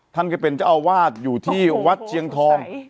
ท่านก็เป็นเจ้าอาวาสอยู่ที่วัดเชียงทอง